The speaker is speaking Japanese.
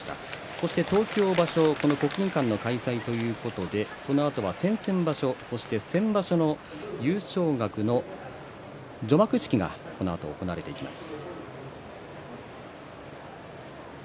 そして東京場所国技館の開催ということでこのあとは先々場所、そして先場所の優勝額の除幕式が行われます。